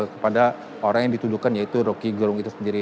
kepada orang yang dituduhkan yaitu rocky gerung itu sendiri